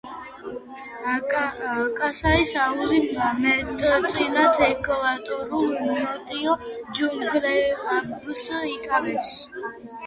კასაის აუზი მეტწილად ეკვატორულ ნოტიო ჯუნგლებს იკავებს.